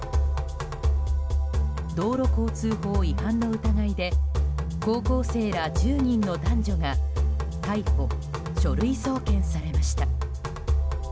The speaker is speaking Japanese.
道路交通法違反の疑いで高校生ら１０人の男女が逮捕・書類送検されました。